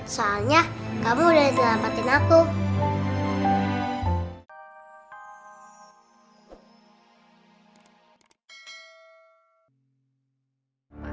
soalnya kamu udah nyelamatin aku